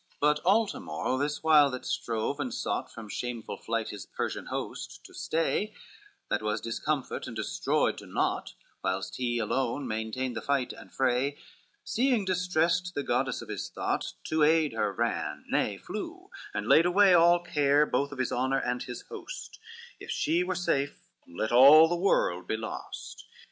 LXIX But Altamore, this while that strove and sought From shameful flight his Persian host to stay, That was discomfit and destroyed to nought, Whilst he alone maintained the fight and fray, Seeing distressed the goddess of his thought, To aid her ran, nay flew, and laid away All care both of his honor and his host: If she were safe, let all the world be lost.